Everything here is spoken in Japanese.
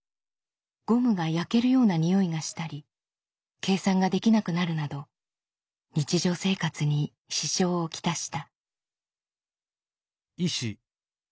ゴムが焼けるようなにおいがしたり計算ができなくなるなど日常生活に支障を来した。